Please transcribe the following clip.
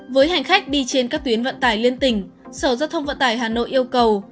với hành khách đi trên các tuyến vận tải liên tỉnh sở giao thông vận tải hà nội yêu cầu